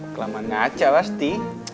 kelamaan ngaca pasti